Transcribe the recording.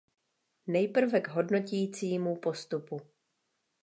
Nejprve k hodnotícímu postupu.